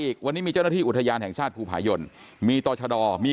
อีกวันนี้มีเจ้าหน้าที่อุทยานแห่งชาติภูผายนมีต่อชะดอมี